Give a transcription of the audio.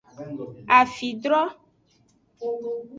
Afidro.